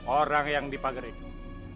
orang yang dipager itu